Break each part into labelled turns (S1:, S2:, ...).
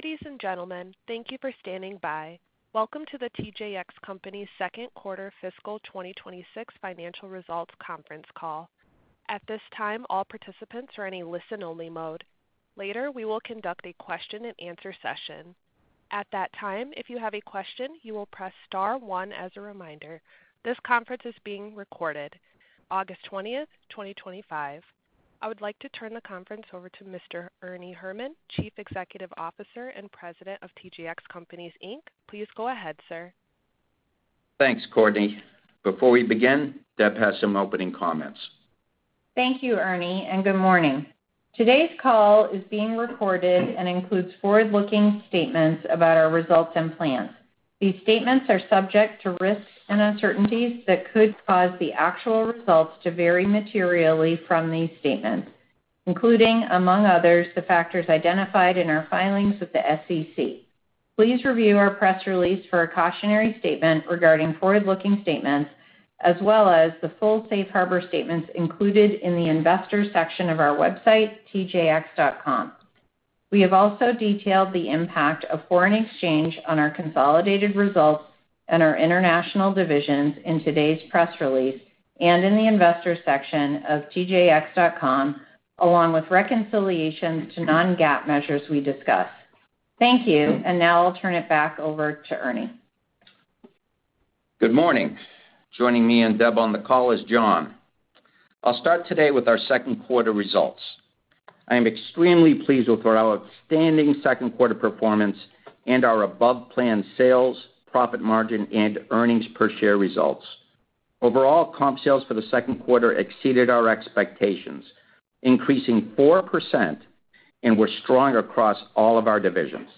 S1: Ladies and gentlemen, thank you for standing by. Welcome to The TJX Companies Second Quarter Fiscal 2026 Financial Results Conference Call. At this time, all participants are in a listen-only mode. Later, we will conduct a question-and-answer session. At that time, if you have a question, you will press star one as a reminder. This conference is being recorded. August 20th, 2025. I would like to turn the conference over to Mr. Ernie Herrman, Chief Executive Officer and President of The TJX Companies, Inc. Please go ahead, sir.
S2: Thanks, Courtney. Before we begin, Deb has some opening comments.
S3: Thank you, Ernie, and good morning. Today's call is being recorded and includes forward-looking statements about our results and plan. These statements are subject to risks and uncertainties that could cause the actual results to vary materially from these statements, including, among others, the factors identified in our filings with the SEC. Please review our press release for a cautionary statement regarding forward-looking statements, as well as the full Safe Harbor statements included in the Investor Section of our website, tjx.com. We have also detailed the impact of foreign exchange on our consolidated results and our international divisions in today's press release and in the Investor Section of tjx.com, along with reconciliation to non-GAAP measures we discuss. Thank you, and now I'll turn it back over to Ernie.
S2: Good morning. Joining me and Deb on the call is John. I'll start today with our second quarter results. I am extremely pleased with our outstanding second quarter performance and our above-planned sales, profit margin, and earnings per share results. Overall, comp sales for the second quarter exceeded our expectations, increasing 4%, and were strong across all of our divisions.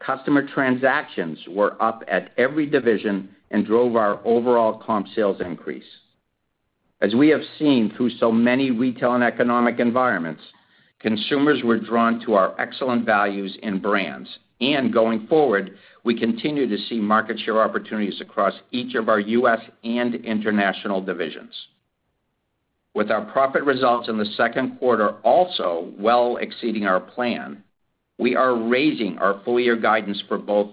S2: Customer transactions were up at every division and drove our overall comp sales increase. As we have seen through so many retail and economic environments, consumers were drawn to our excellent values and brands, and going forward, we continue to see market share opportunities across each of our U.S. and international divisions. With our profit results in the second quarter also well exceeding our plan, we are raising our full-year guidance for both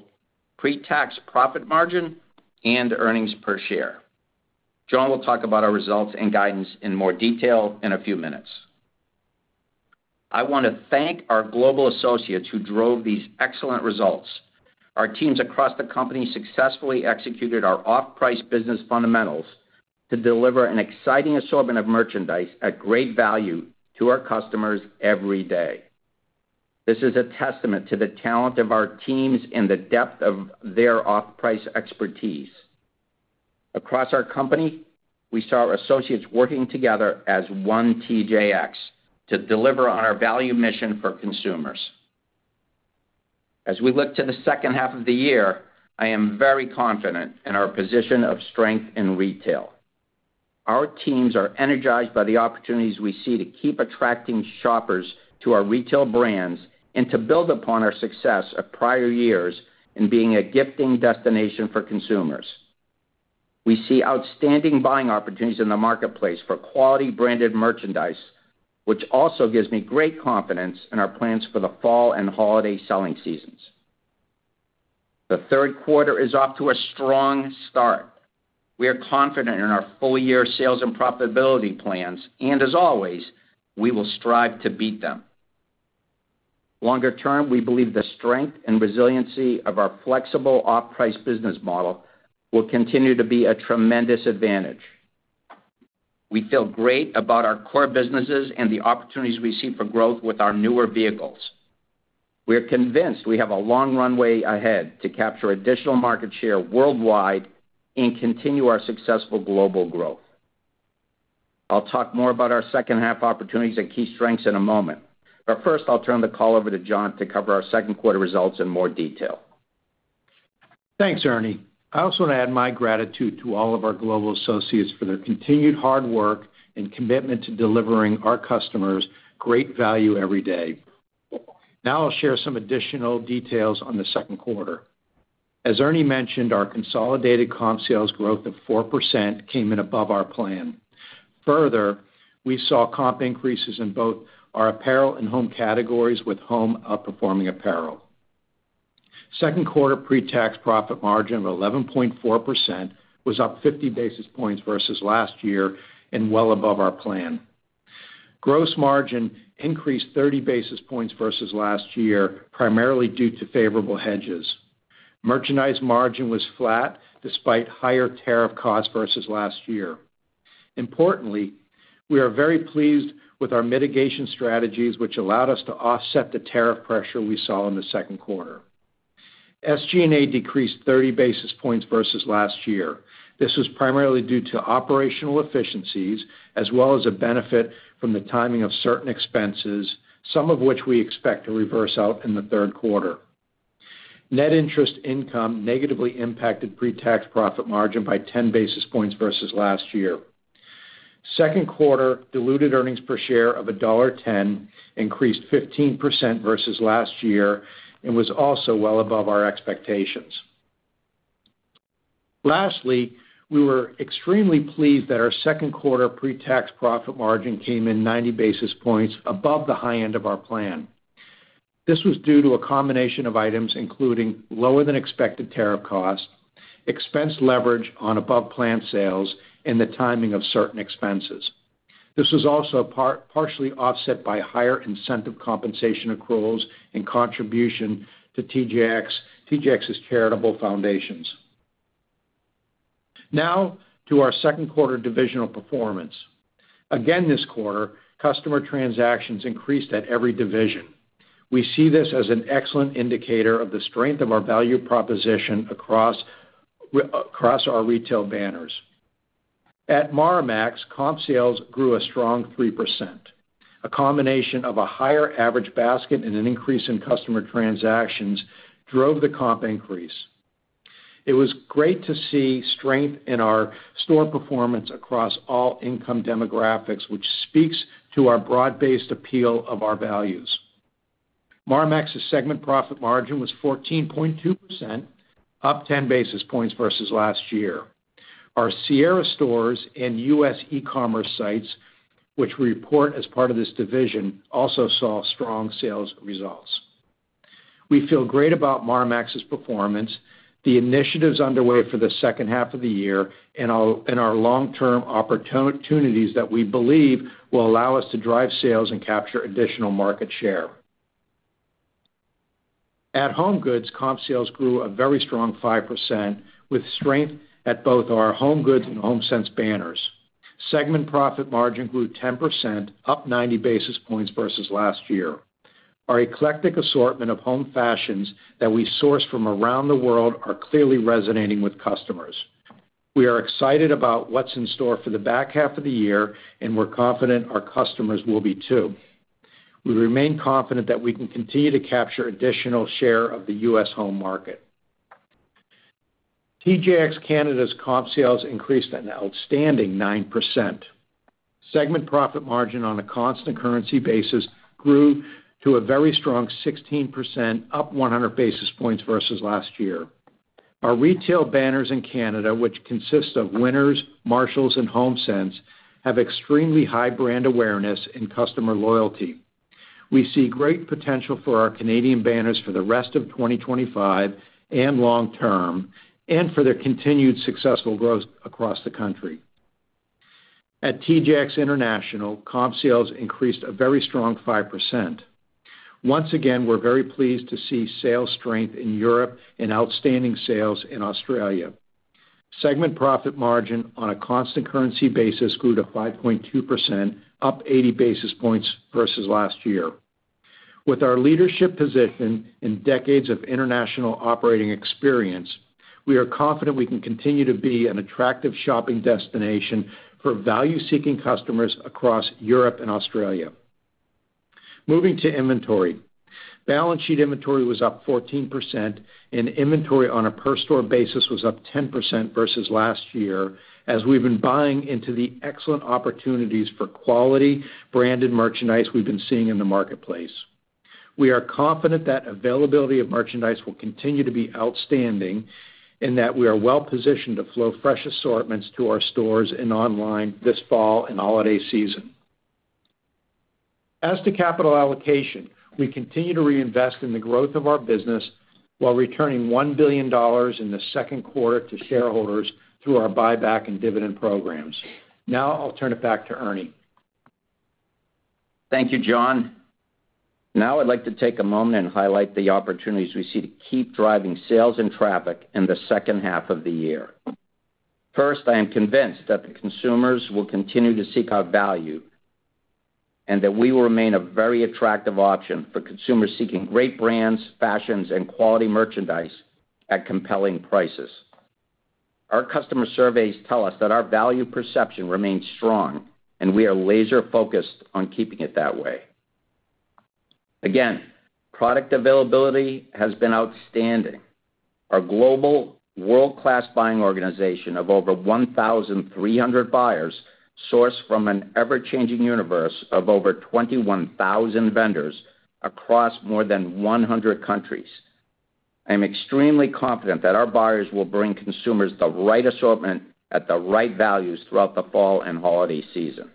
S2: pre-tax profit margin and earnings per share. John will talk about our results and guidance in more detail in a few minutes. I want to thank our global associates who drove these excellent results. Our teams across the company successfully executed our off-price business fundamentals to deliver an exciting assortment of merchandise at great value to our customers every day. This is a testament to the talent of our teams and the depth of their off-price expertise. Across our company, we saw our associates working together as one TJX to deliver on our value mission for consumers. As we look to the second half of the year, I am very confident in our position of strength in retail. Our teams are energized by the opportunities we see to keep attracting shoppers to our retail brands and to build upon our success of prior years in being a gifting destination for consumers. We see outstanding buying opportunities in the marketplace for quality branded merchandise, which also gives me great confidence in our plans for the fall and holiday selling seasons. The third quarter is off to a strong start. We are confident in our full-year sales and profitability plans, and as always, we will strive to beat them. Longer term, we believe the strength and resiliency of our flexible off-price business model will continue to be a tremendous advantage. We feel great about our core businesses and the opportunities we see for growth with our newer vehicles. We are convinced we have a long runway ahead to capture additional market share worldwide and continue our successful global growth. I'll talk more about our second half opportunities and key strengths in a moment. First, I'll turn the call over to John to cover our second quarter results in more detail.
S4: Thanks, Ernie. I also want to add my gratitude to all of our global associates for their continued hard work and commitment to delivering our customers great value every day. Now I'll share some additional details on the second quarter. As Ernie mentioned, our consolidated comp sales growth of 4% came in above our plan. Further, we saw comp increases in both our apparel and home categories, with home outperforming apparel. Second quarter pre-tax profit margin of 11.4% was up 50 basis points versus last year and well above our plan. Gross margin increased 30 basis points versus last year, primarily due to favorable hedges. Merchandise margin was flat despite higher tariff costs versus last year. Importantly, we are very pleased with our mitigation strategies, which allowed us to offset the tariff pressure we saw in the second quarter. SG&A decreased 30 basis points versus last year. This was primarily due to operational efficiencies, as well as a benefit from the timing of certain expenses, some of which we expect to reverse out in the third quarter. Net interest income negatively impacted pre-tax profit margin by 10 basis points versus last year. Second quarter diluted EPS of $1.10 increased 15% versus last year and was also well above our expectations. Lastly, we were extremely pleased that our second quarter pre-tax profit margin came in 90 basis points above the high end of our plan. This was due to a combination of items including lower than expected tariff costs, expense leverage on above-planned sales, and the timing of certain expenses. This was also partially offset by higher incentive compensation accruals and contribution to TJX's charitable foundations. Now to our second quarter divisional performance. Again, this quarter, customer transactions increased at every division. We see this as an excellent indicator of the strength of our value proposition across our retail banners. At Marmaxx, comp sales grew a strong 3%. A combination of a higher average basket and an increase in customer transactions drove the comp increase. It was great to see strength in our store performance across all income demographics, which speaks to our broad-based appeal of our values. Marmaxx's segment profit margin was 14.2%, up 10 basis points versus last year. Our Sierra stores and U.S. e-commerce sites, which report as part of this division, also saw strong sales results. We feel great about Marmaxx's performance, the initiatives underway for the second half of the year, and our long-term opportunities that we believe will allow us to drive sales and capture additional market share. At HomeGoods, comp sales grew a very strong 5%, with strength at both our HomeGoods and HomeSense banners. Segment profit margin grew 10%, up 90 basis points versus last year. Our eclectic assortment of home fashions that we source from around the world are clearly resonating with customers. We are excited about what's in store for the back half of the year, and we're confident our customers will be too. We remain confident that we can continue to capture additional share of the U.S. home market. TJX Canada's comp sales increased an outstanding 9%. Segment profit margin on a constant currency basis grew to a very strong 16%, up 100 basis points versus last year. Our retail banners in Canada, which consist of Winners, Marshalls, and HomeSense, have extremely high brand awareness and customer loyalty. We see great potential for our Canadian banners for the rest of 2025 and long term, and for their continued successful growth across the country. At TJX International, comp sales increased a very strong 5%. Once again, we're very pleased to see sales strength in Europe and outstanding sales in Australia. Segment profit margin on a constant currency basis grew to 5.2%, up 80 basis points versus last year. With our leadership position and decades of international operating experience, we are confident we can continue to be an attractive shopping destination for value-seeking customers across Europe and Australia. Moving to inventory, balance sheet inventory was up 14%, and inventory on a per-store basis was up 10% versus last year, as we've been buying into the excellent opportunities for quality branded merchandise we've been seeing in the marketplace. We are confident that availability of merchandise will continue to be outstanding and that we are well positioned to flow fresh assortments to our stores and online this fall and holiday season. As to capital allocation, we continue to reinvest in the growth of our business while returning $1 billion in the second quarter to shareholders through our buyback and dividend programs. Now I'll turn it back to Ernie.
S2: Thank you, John. Now I'd like to take a moment and highlight the opportunities we see to keep driving sales and traffic in the second half of the year. First, I am convinced that the consumers will continue to seek our value and that we will remain a very attractive option for consumers seeking great brands, fashions, and quality merchandise at compelling prices. Our customer surveys tell us that our value perception remains strong, and we are laser-focused on keeping it that way. Again, product availability has been outstanding. Our global, world-class buying organization of over 1,300 buyers sourced from an ever-changing universe of over 21,000 vendors across more than 100 countries. I am extremely confident that our buyers will bring consumers the right assortment at the right values throughout the fall and holiday season.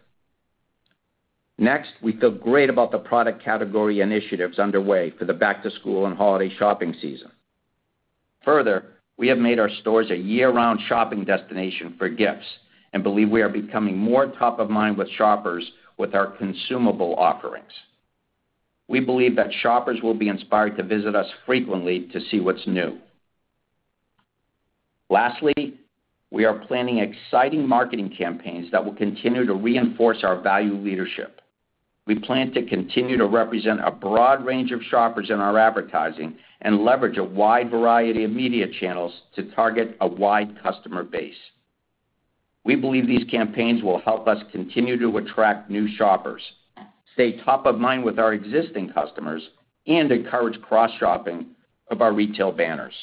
S2: Next, we feel great about the product category initiatives underway for the back-to-school and holiday shopping season. Further, we have made our stores a year-round shopping destination for gifts and believe we are becoming more top of mind with shoppers with our consumable offerings. We believe that shoppers will be inspired to visit us frequently to see what's new. Lastly, we are planning exciting marketing campaigns that will continue to reinforce our value leadership. We plan to continue to represent a broad range of shoppers in our advertising and leverage a wide variety of media channels to target a wide customer base. We believe these campaigns will help us continue to attract new shoppers, stay top of mind with our existing customers, and encourage cross-shopping of our retail banners.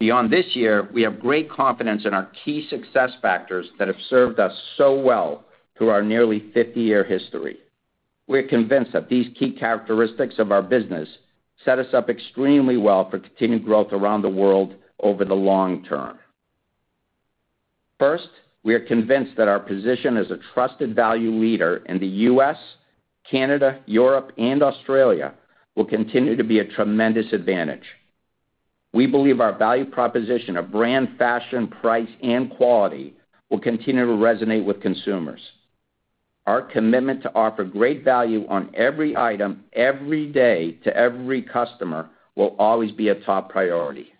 S2: Beyond this year, we have great confidence in our key success factors that have served us so well through our nearly 50-year history. We're convinced that these key characteristics of our business set us up extremely well for continued growth around the world over the long term. First, we are convinced that our position as a trusted value leader in the U.S., Canada, Europe, and Australia will continue to be a tremendous advantage. We believe our value proposition of brand fashion, price, and quality will continue to resonate with consumers. Our commitment to offer great value on every item, every day, to every customer will always be a top priority.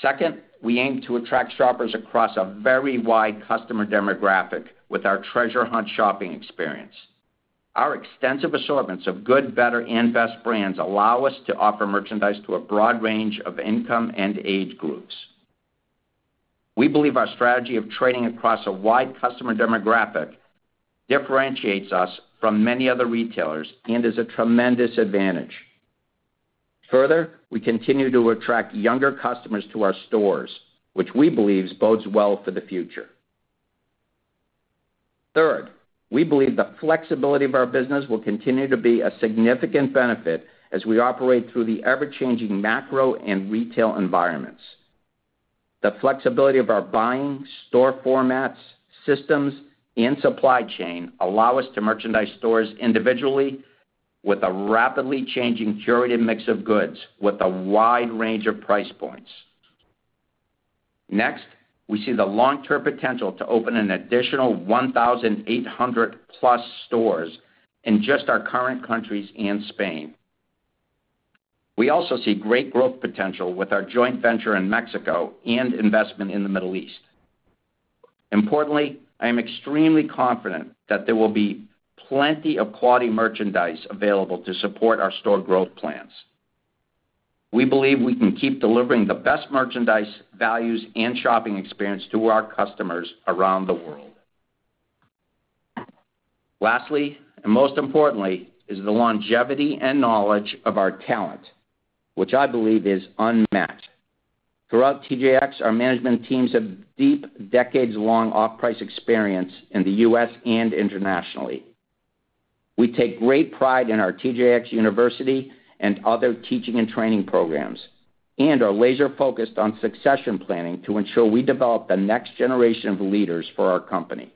S2: Second, we aim to attract shoppers across a very wide customer demographic with our treasure hunt shopping experience. Our extensive assortments of good, better, and best brands allow us to offer merchandise to a broad range of income and age groups. We believe our strategy of trading across a wide customer demographic differentiates us from many other retailers and is a tremendous advantage. Further, we continue to attract younger customers to our stores, which we believe bodes well for the future. Third, we believe the flexibility of our business will continue to be a significant benefit as we operate through the ever-changing macro and retail environments. The flexibility of our buying, store formats, systems, and supply chain allow us to merchandise stores individually with a rapidly changing curated mix of goods with a wide range of price points. Next, we see the long-term potential to open an additional 1,800+ stores in just our current countries and Spain. We also see great growth potential with our joint venture in Mexico and investment in the Middle East. Importantly, I am extremely confident that there will be plenty of quality merchandise available to support our store growth plans. We believe we can keep delivering the best merchandise, values, and shopping experience to our customers around the world. Lastly, and most importantly, is the longevity and knowledge of our talent, which I believe is unmatched. Throughout TJX, our management teams have deep, decades-long off-price experience in the U.S. and internationally. We take great pride in our TJX University and other teaching and training programs, and are laser-focused on succession planning to ensure we develop the next generation of leaders for our company.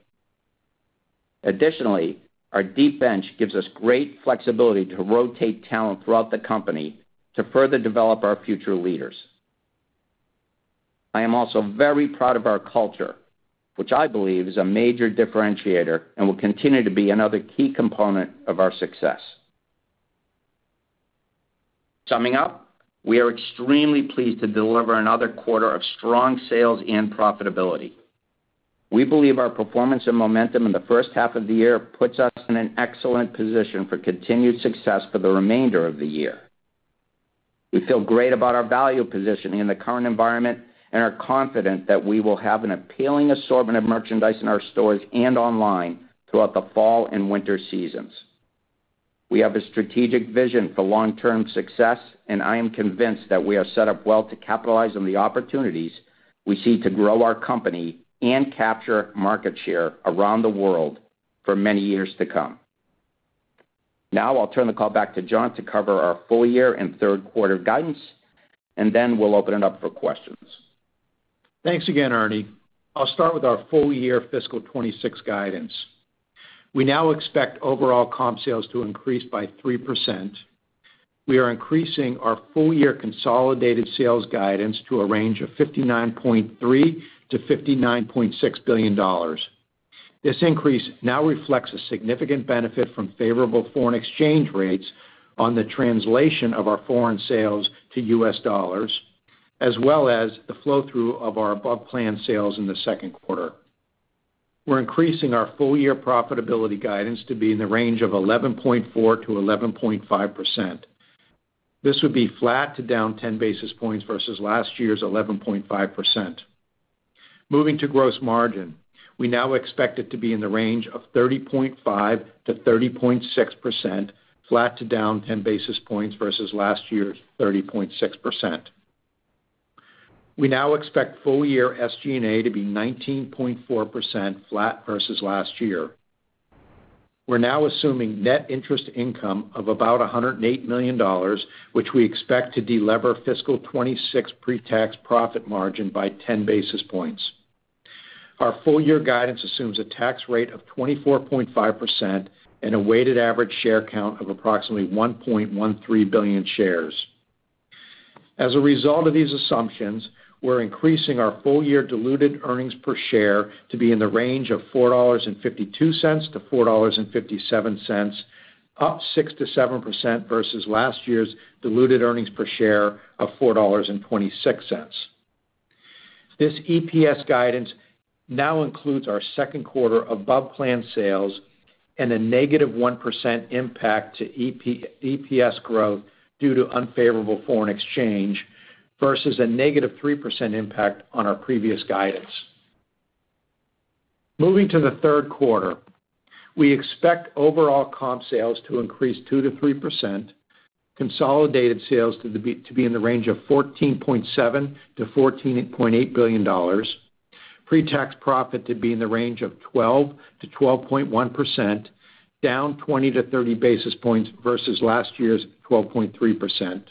S2: Additionally, our deep bench gives us great flexibility to rotate talent throughout the company to further develop our future leaders. I am also very proud of our culture, which I believe is a major differentiator and will continue to be another key component of our success. Summing up, we are extremely pleased to deliver another quarter of strong sales and profitability. We believe our performance and momentum in the first half of the year puts us in an excellent position for continued success for the remainder of the year. We feel great about our value positioning in the current environment and are confident that we will have an appealing assortment of merchandise in our stores and online throughout the fall and winter seasons. We have a strategic vision for long-term success, and I am convinced that we are set up well to capitalize on the opportunities we see to grow our company and capture market share around the world for many years to come. Now I'll turn the call back to John to cover our full year and third quarter guidance, and then we'll open it up for questions.
S4: Thanks again, Ernie. I'll start with our full year fiscal 2026 guidance. We now expect overall comp sales to increase by 3%. We are increasing our full year consolidated sales guidance to a range of $59.3 billion-$59.6 billion. This increase now reflects a significant benefit from favorable foreign exchange rates on the translation of our foreign sales to U.S. dollars, as well as the flow-through of our above-planned sales in the second quarter. We're increasing our full year profitability guidance to be in the range of 11.4%-11.5%. This would be flat to down 10 basis points versus last year's 11.5%. Moving to gross margin, we now expect it to be in the range of 30.5%-30.6%, flat to down 10 basis points versus last year's 30.6%. We now expect full year SG&A to be 19.4%, flat versus last year. We're now assuming net interest income of about $108 million, which we expect to deliver fiscal 2026 pre-tax profit margin by 10 basis points. Our full year guidance assumes a tax rate of 24.5% and a weighted average share count of approximately 1.13 billion shares. As a result of these assumptions, we're increasing our full year diluted EPS to be in the range of $4.52-$4.57, up 6%-7% versus last year's diluted EPS of $4.26. This EPS guidance now includes our second quarter above-planned sales and a negative 1% impact to EPS growth due to unfavorable foreign exchange versus a -3% impact on our previous guidance. Moving to the third quarter, we expect overall comp sales to increase 2%-3%, consolidated sales to be in the range of $14.7 billion-$14.8 billion, pre-tax profit to be in the range of 12%-12.1%, down 20-30 basis points versus last year's 12.3%.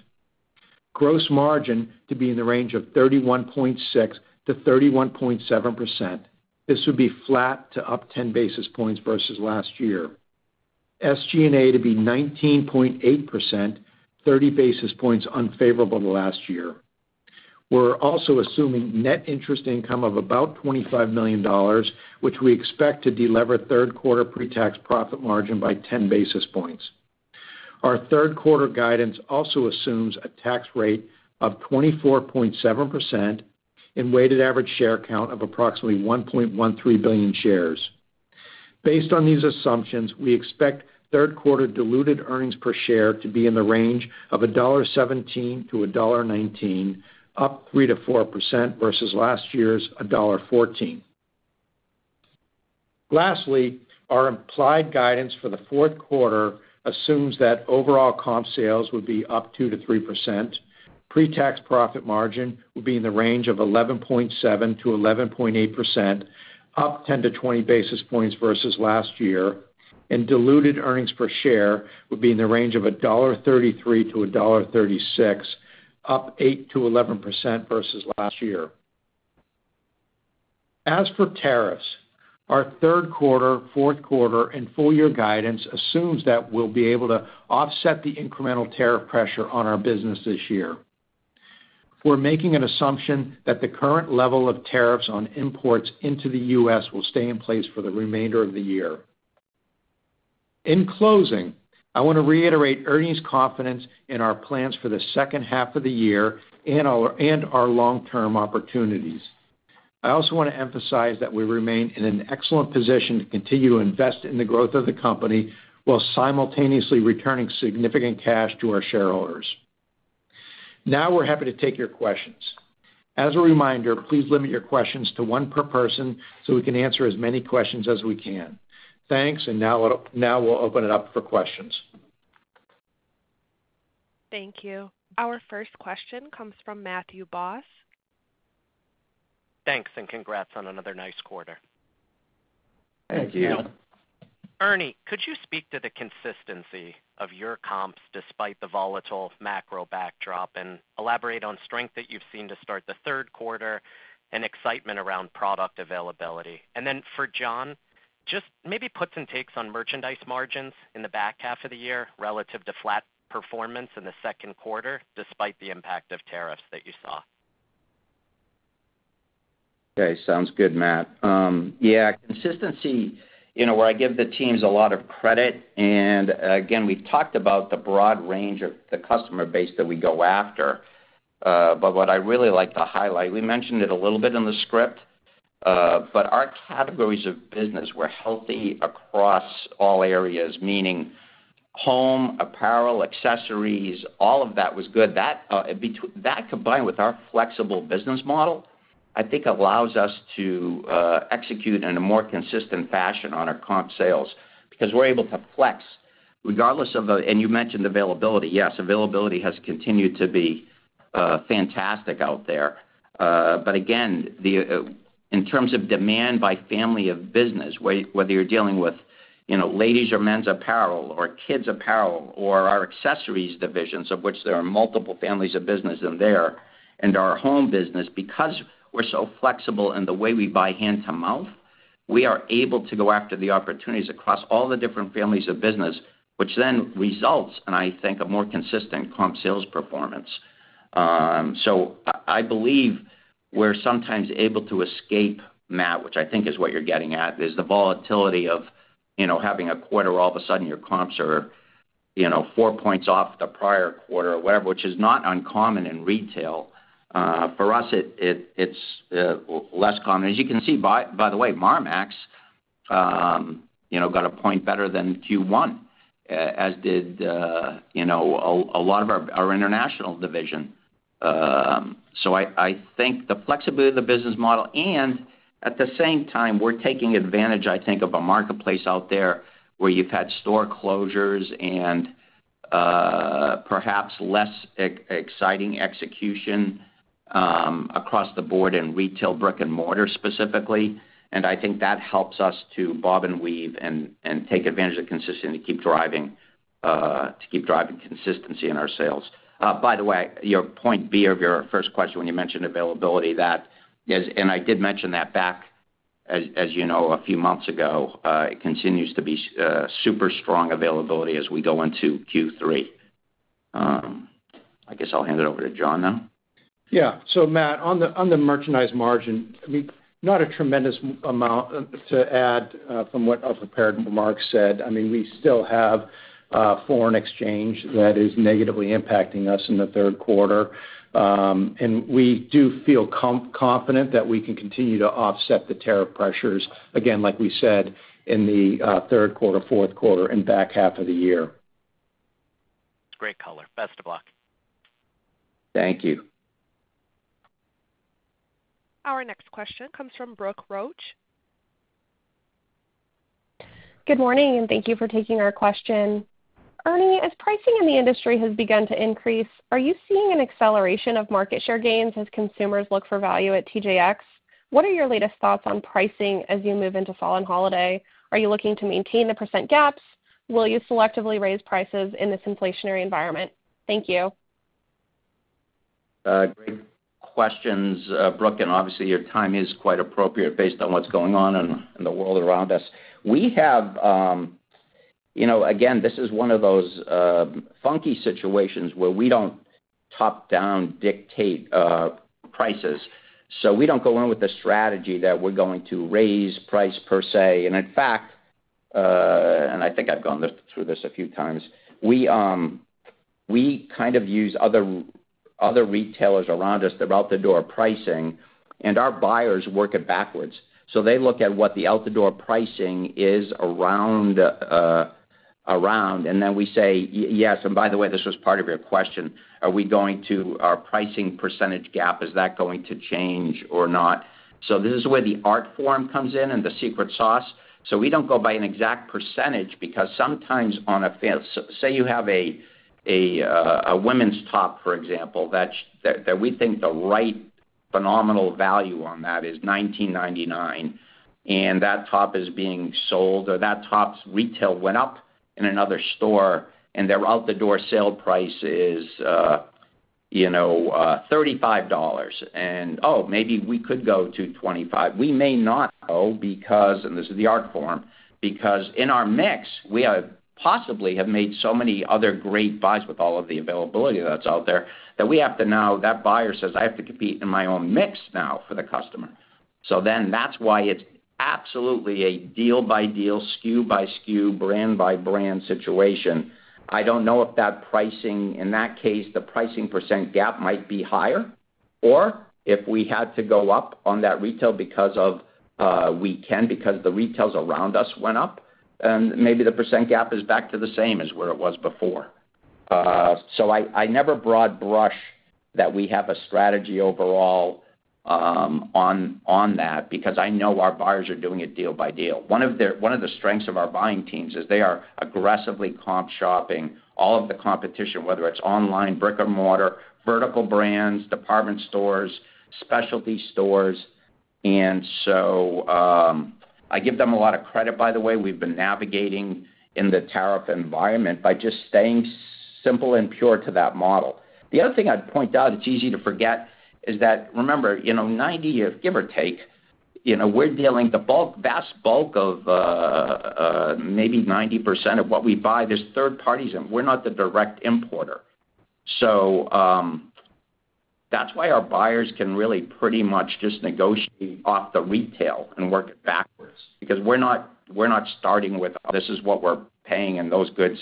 S4: Gross margin to be in the range of 31.6%-31.7%. This would be flat to up 10 basis points versus last year. SG&A to be 19.8%, 30 basis points unfavorable to last year. We're also assuming net interest income of about $25 million, which we expect to deliver third quarter pre-tax profit margin by 10 basis points. Our third quarter guidance also assumes a tax rate of 24.7% and weighted average share count of approximately 1.13 billion shares. Based on these assumptions, we expect third quarter diluted EPS to be in the range of $1.17-$1.19, up 3% -4% versus last year's $1.14. Lastly, our implied guidance for the fourth quarter assumes that overall comp sales would be up 2%-3%, pre-tax profit margin would be in the range of 11.7%-11.8%, up 10-20 basis points versus last year, and diluted EPS would be in the range of $1.33-$1.36, up 8%-11% versus last year. As for tariffs, our third quarter, fourth quarter, and full year guidance assumes that we'll be able to offset the incremental tariff pressure on our business this year. We're making an assumption that the current level of tariffs on imports into the U.S. will stay in place for the remainder of the year. In closing, I want to reiterate Ernie Herrman's confidence in our plans for the second half of the year and our long-term opportunities. I also want to emphasize that we remain in an excellent position to continue to invest in the growth of the company while simultaneously returning significant cash to our shareholders. Now we're happy to take your questions. As a reminder, please limit your questions to one per person so we can answer as many questions as we can. Thanks, and now we'll open it up for questions.
S1: Thank you. Our first question comes from Matthew Boss.
S5: Thanks, and congrats on another nice quarter.
S2: Thank you.
S5: Ernie, could you speak to the consistency of your comps despite the volatile macro backdrop and elaborate on strength that you've seen to start the third quarter and excitement around product availability? For John, just maybe put some takes on merchandise margins in the back half of the year relative to flat performance in the second quarter despite the impact of tariffs that you saw.
S2: Okay, sounds good, Matt. Yeah, consistency, you know, where I give the teams a lot of credit, and again, we've talked about the broad range of the customer base that we go after. What I really like to highlight, we mentioned it a little bit in the script, but our categories of business were healthy across all areas, meaning home, apparel, accessories, all of that was good. That, combined with our flexible business model, I think allows us to execute in a more consistent fashion on our comp sales because we're able to flex regardless of the, and you mentioned availability. Yes, availability has continued to be fantastic out there. Again, in terms of demand by family of business, whether you're dealing with, you know, ladies or men's apparel or kids' apparel or our accessories divisions, of which there are multiple families of business in there, and our home business, because we're so flexible in the way we buy hand-to-mouth, we are able to go after the opportunities across all the different families of business, which then results, and I think, in a more consistent comp sales performance. I believe we're sometimes able to escape, Matt, which I think is what you're getting at, is the volatility of, you know, having a quarter where all of a sudden your comps are, you know, four points off the prior quarter or whatever, which is not uncommon in retail. For us, it's less common. As you can see, by the way, Marmaxx, you know, got a point better than Q1, as did, you know, a lot of our international division. I think the flexibility of the business model, and at the same time, we're taking advantage, I think, of a marketplace out there where you've had store closures and perhaps less exciting execution across the board in retail brick and mortar specifically. I think that helps us to bob and weave and take advantage of the consistency to keep driving consistency in our sales. By the way, your point B of your first question when you mentioned availability, that is, and I did mention that back, as you know, a few months ago, it continues to be super strong availability as we go into Q3. I guess I'll hand it over to John now.
S4: Yeah, so Matt, on the merchandise margin, not a tremendous amount to add from what a prepared remarks said. We still have foreign exchange that is negatively impacting us in the third quarter. We do feel confident that we can continue to offset the tariff pressures, again, like we said, in the third quarter, fourth quarter, and back half of the year.
S5: Great color. Best of luck.
S4: Thank you.
S1: Our next question comes from Brooke Roach.
S6: Good morning, and thank you for taking our question. Ernie, as pricing in the industry has begun to increase, are you seeing an acceleration of market share gains as consumers look for value at TJX? What are your latest thoughts on pricing as you move into fall and holiday? Are you looking to maintain the percent gaps? Will you selectively raise prices in this inflationary environment? Thank you.
S2: Great questions, Brooke, and obviously your timing is quite appropriate based on what's going on in the world around us. We have, this is one of those funky situations where we don't top-down dictate prices. We don't go in with a strategy that we're going to raise price per se. In fact, and I think I've gone through this a few times, we kind of use other retailers around us that are out-the-door pricing, and our buyers work it backwards. They look at what the out-the-door pricing is around, and then we say, yes, and by the way, this was part of your question, are we going to, our pricing percentage gap, is that going to change or not? This is where the art form comes in and the secret sauce. We don't go by an exact percentage because sometimes on a fit, say you have a women's top, for example, that we think the right phenomenal value on that is $19.99, and that top is being sold, or that top's retail went up in another store, and their out-the-door sale price is $35. Maybe we could go to $25. We may not go because, and this is the art form, because in our mix, we possibly have made so many other great buys with all of the availability that's out there that we have to now, that buyer says, I have to compete in my own mix now for the customer. That's why it's absolutely a deal-by-deal, SKU-by-SKU, brand-by-brand situation. I don't know if that pricing, in that case, the pricing percent gap might be higher, or if we had to go up on that retail because we can, because the retails around us went up, and maybe the percent gap is back to the same as where it was before. I never broad brush that we have a strategy overall on that because I know our buyers are doing it deal-by-deal. One of the strengths of our buying teams is they are aggressively comp shopping all of the competition, whether it's online, brick and mortar, vertical brands, department stores, specialty stores. I give them a lot of credit, by the way. We've been navigating in the tariff environment by just staying simple and pure to that model. The other thing I'd point out, it's easy to forget, is that remember, 90 years, give or take, we're dealing the bulk, vast bulk of maybe 90% of what we buy, there's third parties, and we're not the direct importer. That's why our buyers can really pretty much just negotiate off the retail and work it backwards because we're not starting with this is what we're paying, and those goods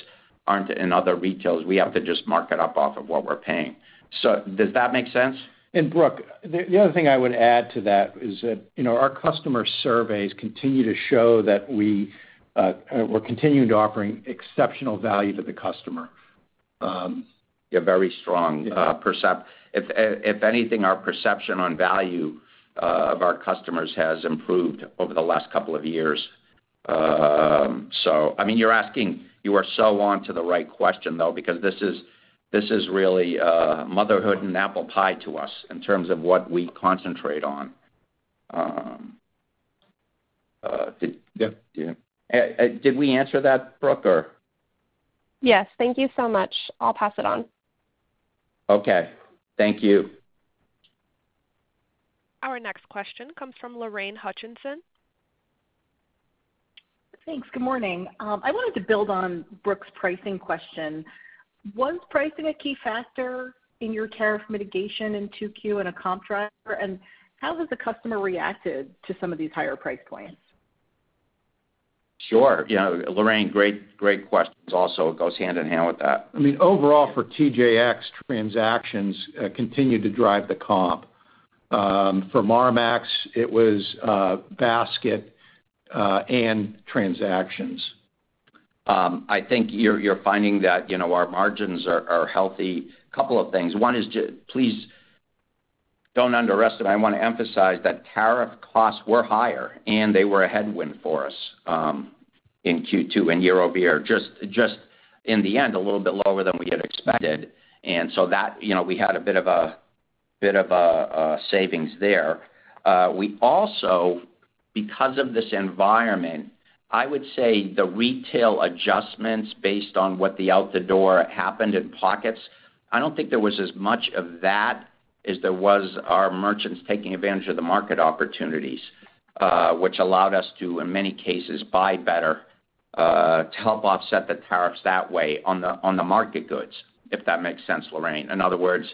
S2: aren't in other retails. We have to just mark it up off of what we're paying. Does that make sense?
S4: Brooke, the other thing I would add to that is that our customer surveys continue to show that we're continuing to offer exceptional value to the customer.
S2: Yeah, very strong perception. If anything, our perception on value of our customers has improved over the last couple of years. I mean, you're asking, you are so on to the right question, though, because this is really motherhood and apple pie to us in terms of what we concentrate on. Did we answer that, Brooke, or?
S6: Yes, thank you so much. I'll pass it on.
S2: Okay, thank you.
S1: Our next question comes from Lorraine Hutchinson.
S7: Thanks. Good morning. I wanted to build on Brooke's pricing question. Was pricing a key factor in your tariff mitigation in Q2 and a comp track, and how has the customer reacted to some of these higher price points?
S2: Sure. Yeah, Lorraine, great questions. Also, it goes hand in hand with that.
S4: I mean, overall, for TJX transactions continue to drive the comp. For Marmaxx, it was basket and transactions.
S2: I think you're finding that, you know, our margins are healthy. A couple of things. One is please don't underestimate. I want to emphasize that tariff costs were higher, and they were a headwind for us in Q2 and year over year. In the end, a little bit lower than we had expected, and we had a bit of a savings there. We also, because of this environment, I would say the retail adjustments based on what the out the door happened in pockets, I don't think there was as much of that as there was our merchants taking advantage of the market opportunities, which allowed us to, in many cases, buy better to help offset the tariffs that way on the market goods, if that makes sense, Lorraine. In other words,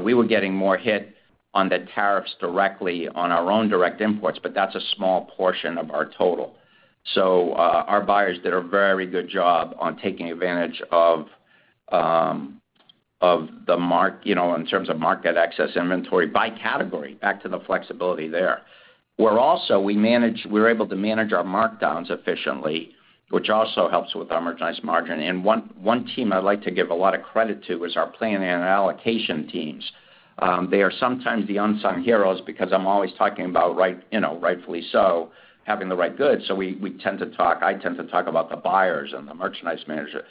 S2: we were getting more hit on the tariffs directly on our own direct imports, but that's a small portion of our total. Our buyers did a very good job on taking advantage of the market, in terms of market excess inventory by category, back to the flexibility there. We're also able to manage our markdowns efficiently, which also helps with our merchandise margin. One team I'd like to give a lot of credit to is our planning and allocation teams. They are sometimes the unsung heroes because I'm always talking about, right, you know, rightfully so, having the right goods. We tend to talk, I tend to talk about the buyers and the merchandise managers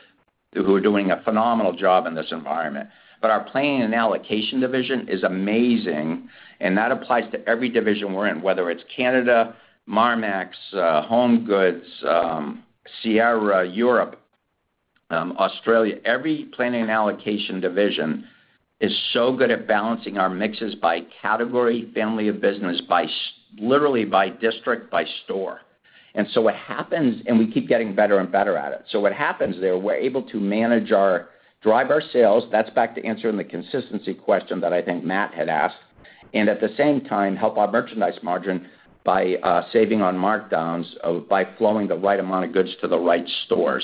S2: who are doing a phenomenal job in this environment. Our planning and allocation division is amazing, and that applies to every division we're in, whether it's Canada, Marmaxx, HomeGoods, Sierra, Europe, Australia. Every planning and allocation division is so good at balancing our mixes by category, family of business, literally by district, by store. We keep getting better and better at it. What happens there, we're able to manage our, drive our sales. That's back to answering the consistency question that I think Matt had asked. At the same time, help our merchandise margin by saving on markdowns by flowing the right amount of goods to the right stores.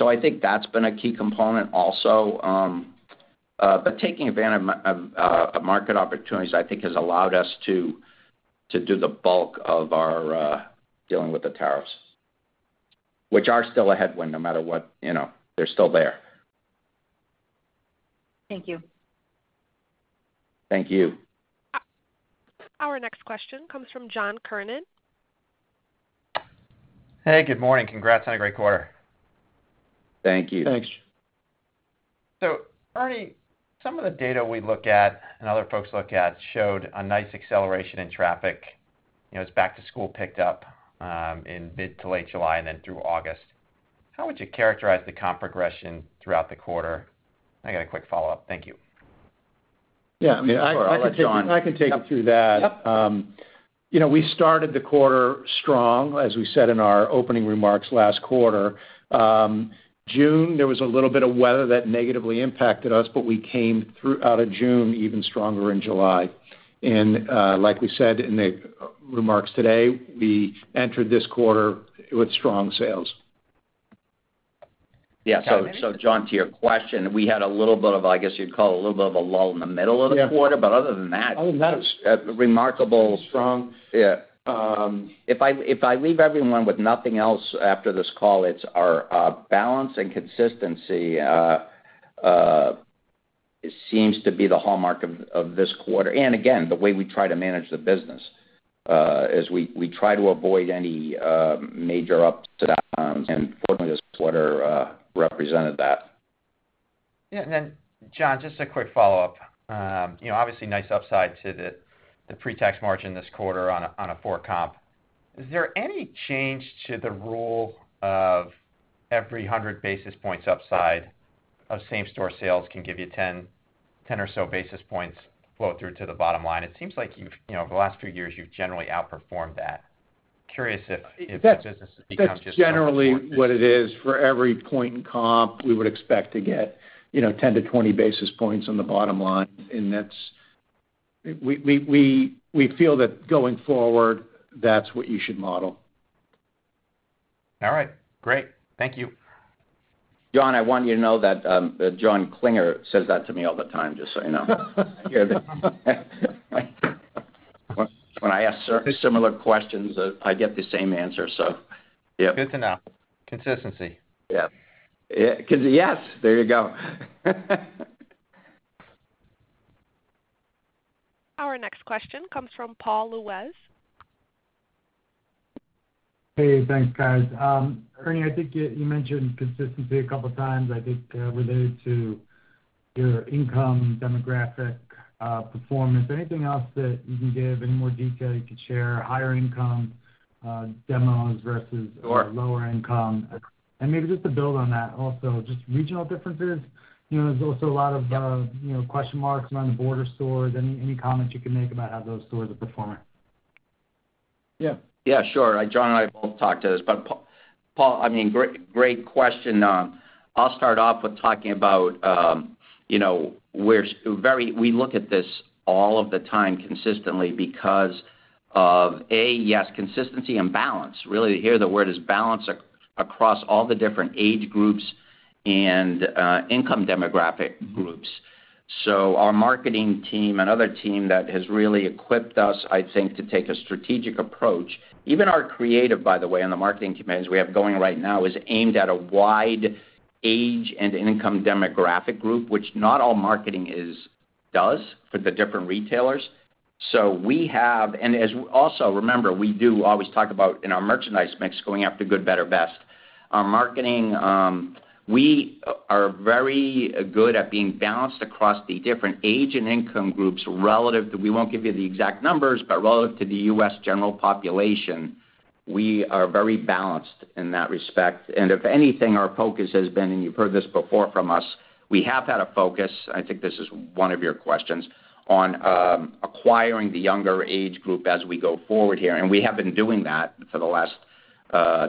S2: I think that's been a key component also, but taking advantage of market opportunities, I think, has allowed us to do the bulk of our dealing with the tariffs, which are still a headwind no matter what, they're still there.
S7: Thank you.
S2: Thank you.
S1: Our next question comes from John Klinger.
S8: Hey, good morning. Congrats on a great quarter.
S2: Thank you.
S4: Thanks.
S8: Ernie, some of the data we look at and other folks look at showed a nice acceleration in traffic. You know, as back to school picked up in mid to late July and then through August, how would you characterize the comp progression throughout the quarter? I got a quick follow-up. Thank you.
S2: Yeah, I will let John, yes.
S4: Yes, we started the quarter strong, as we said in our opening remarks last quarter. June, there was a little bit of weather that negatively impacted us, but we came throughout June, even stronger in July. Like we said in the remarks today, we entered this quarter with strong sales.
S2: Yeah, John, to your question, we had a little bit of, I guess you'd call it a little bit of a lull in the middle of the quarter, but other than that. Other than that, it was remarkably strong. Yeah. If I leave everyone with nothing else after this call, it's our balance and consistency seems to be the hallmark of this quarter. Again, the way we try to manage the business is we try to avoid any major upsides. Fortunately, this quarter represented that.
S8: Yeah, and then John, just a quick follow-up. You know, obviously nice upside to the pre-tax profit margin this quarter on a 4% comp. Is there any change to the rule of every 100 basis points upside of comparable sales can give you 10 or so basis points flow-through to the bottom line? It seems like you've, you know, over the last few years, you've generally outperformed that. Curious if the business has become just.
S4: That's generally what it is. For every point in comp, we would expect to get 10 to 20 basis points on the bottom line. That's what we feel that going forward, you should model.
S8: All right. Great. Thank you.
S2: John, I want you to know that John Klinger says that to me all the time, just so you know. When I ask similar questions, I get the same answer, so yeah.
S8: Good to know. Consistency.
S4: Yeah, yes, there you go.
S1: Our next question comes from Paul Lejuez.
S9: Hey, thanks, guys. Ernie, I think you mentioned consistency a couple of times. I think related to your income, demographic performance, anything else that you can give, any more detail you could share, higher income demos versus lower income, and maybe just to build on that, also just regional differences. You know, there's also a lot of question marks around the border stores. Any comments you can make about how those stores are performing?
S2: Yeah, sure. John and I both talked to this, but Paul, I mean, great question. I'll start off with talking about, you know, we look at this all of the time consistently because of, yes, consistency and balance. Really to hear the word is balance across all the different age groups and income demographic groups. Our marketing team and other team that has really equipped us, I think, to take a strategic approach, even our creative, by the way, on the marketing campaigns we have going right now is aimed at a wide age and income demographic group, which not all marketing does for the different retailers. We have, and as we also remember, we do always talk about in our merchandise mix going after good, better, best. Our marketing, we are very good at being balanced across the different age and income groups relative to, we won't give you the exact numbers, but relative to the U.S. general population, we are very balanced in that respect. If anything, our focus has been, and you've heard this before from us, we have had a focus, I think this is one of your questions, on acquiring the younger age group as we go forward here. We have been doing that for the last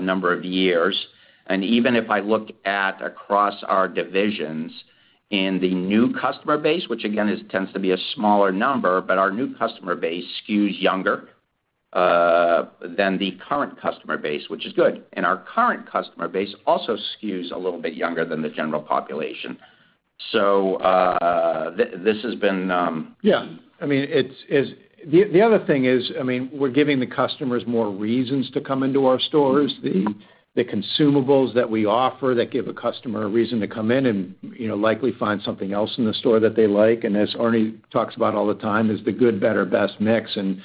S2: number of years. Even if I look at across our divisions in the new customer base, which again tends to be a smaller number, our new customer base skews younger than the current customer base, which is good. Our current customer base also skews a little bit younger than the general population. This has been.
S4: Yeah, I mean, the other thing is, we're giving the customers more reasons to come into our stores. The consumables that we offer give a customer a reason to come in and, you know, likely find something else in the store that they like. As Ernie talks about all the time, it's the good, better, best mix, and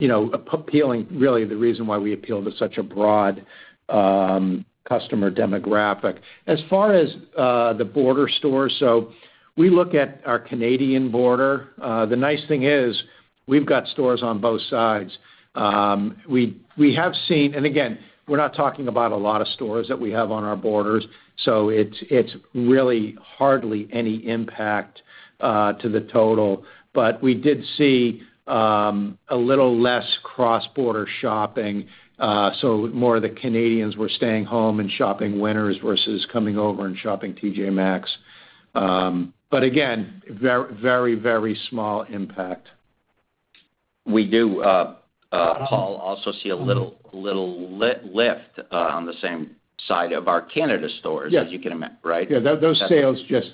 S4: really the reason why we appeal to such a broad customer demographic. As far as the border stores, we look at our Canadian border. The nice thing is we've got stores on both sides. We have seen, and again, we're not talking about a lot of stores that we have on our borders, so it's really hardly any impact to the total. We did see a little less cross-border shopping. More of the Canadians were staying home and shopping Winners versus coming over and shopping T.J. Maxx. But again, very, very, very small impact.
S2: We do, Paul, also see a little lift on the same side of our Canada stores, as you can imagine, right?
S4: Yeah, those sales just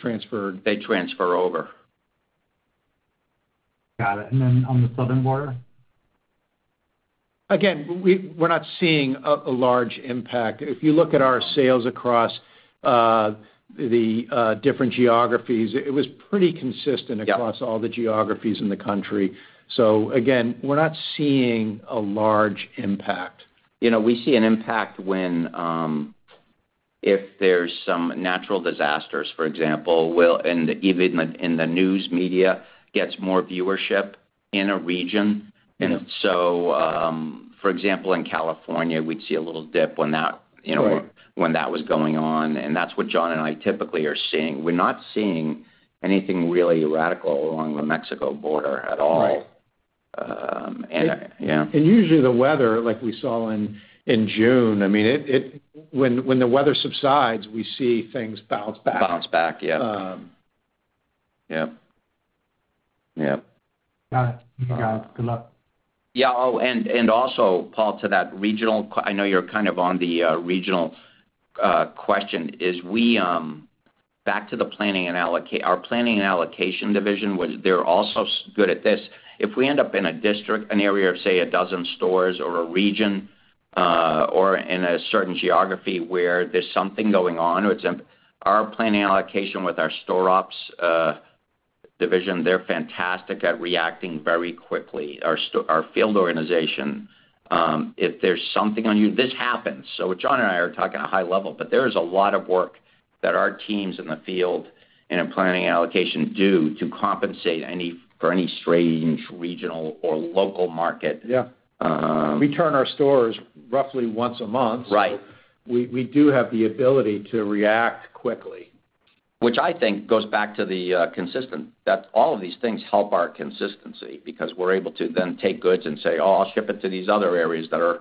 S4: transferred.
S2: They transfer over.
S9: Got it. On the southern border?
S4: We're not seeing a large impact. If you look at our sales across the different geographies, it was pretty consistent across all the geographies in the country. We're not seeing a large impact.
S2: You know, we see an impact if there's some natural disasters, for example, and even in the news media gets more viewership in a region. For example, in California, we'd see a little dip when that was going on. That's what John and I typically are seeing. We're not seeing anything really radical along the Mexico border at all.
S4: Usually the weather, like we saw in June, when the weather subsides, we see things bounce back.
S2: Bounce back, yeah.
S4: Yeah. Yeah.
S9: Got it. You got it. Good luck.
S2: Yeah, oh, also, Paul, to that regional, I know you're kind of on the regional question, is we, back to the planning and allocation, our planning and allocation division, they're also good at this. If we end up in a district, an area of, say, a dozen stores or a region or in a certain geography where there's something going on, or it's our planning allocation with our store ops division, they're fantastic at reacting very quickly. Our field organization, if there's something on you, this happens. John and I are talking at a high level, but there is a lot of work that our teams in the field and in planning and allocation do to compensate for any strange regional or local market.
S4: Yeah, we turn our stores roughly once a month.
S2: Right.
S4: We do have the ability to react quickly.
S2: Which I think goes back to the consistent. All of these things help our consistency because we're able to then take goods and say, oh, I'll ship it to these other areas that are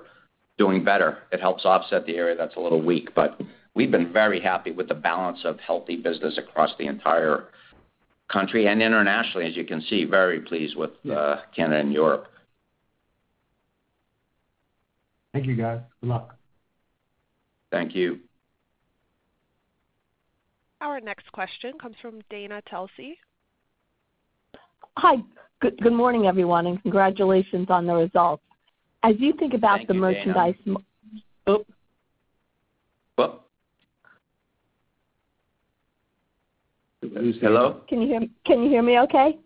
S2: doing better. It helps offset the area that's a little weak. We've been very happy with the balance of healthy business across the entire country and internationally, as you can see, very pleased with Canada and Europe.
S9: Thank you, guys. Good luck.
S2: Thank you.
S1: Our next question comes from Dana Telsey.
S10: Hi. Good morning, everyone, and congratulations on the results. As you think about the merchandise.
S2: Hello?
S10: Can you hear me okay?